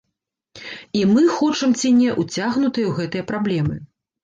І мы, хочам ці не, уцягнутыя ў гэтыя праблемы.